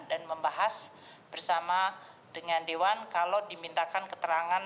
dan membahas bersama dengan dewan kalau dimintakan keterangan